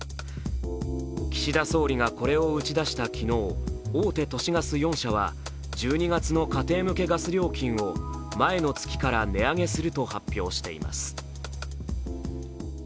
岸田総理がこれを打ち出した昨日大手都市ガス４社は１２月の家庭向けガス料金を前の月から値上げすると発表しています。